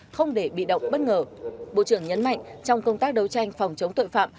không để bị động bất ngờ bộ trưởng nhấn mạnh trong công tác đấu tranh phòng chống tội phạm